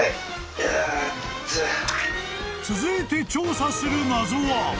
［続いて調査する謎は］